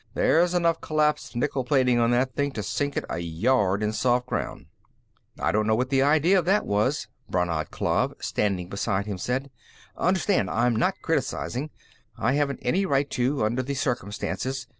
There's enough collapsed nickel plating on that thing to sink it a yard in soft ground." "I don't know what the idea of that was," Brannad Klav, standing beside him, said. "Understand, I'm not criticizing. I haven't any right to, under the circumstances.